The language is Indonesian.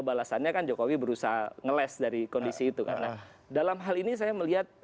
balasannya kan jokowi berusaha ngeles dari kondisi itu karena dalam hal ini saya melihat